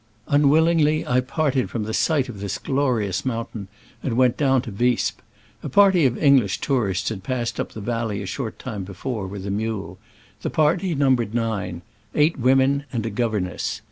Unwillingly I parted from the sight of this glorious mountain, and went down to Visp. A party of English tourists had passed up the valley a short time before with a mule. The party num bered nine— eight women and a governess.